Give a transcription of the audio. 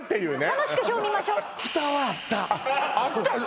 楽しく表見ましょうあったの？